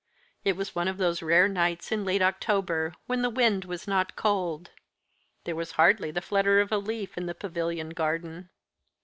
It was one of those rare nights in late October, when the wind is not cold. There was hardly the flutter of a leaf in the Pavilion garden.